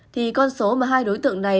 thì con số mà hai đối tượng này